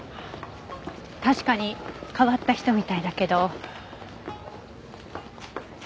確かに変わった人みたいだけど。